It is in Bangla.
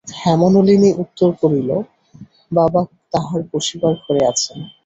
হেমনলিনী উত্তর করিল, বাবা তাঁহার বসিবার ঘরে আছেন।